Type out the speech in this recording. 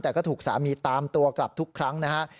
แต่ก็ถูกสามีตามตัวกลับทุกครั้งนะฮะ